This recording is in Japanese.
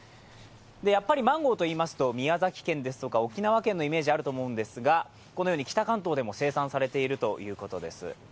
やっぱりマンゴーといいますと、宮崎県、沖縄県のイメージがあると思うんですが、このように北関東でも生産されているということです。